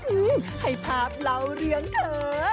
อื้อให้ภาพเล่าเรืองเถอะ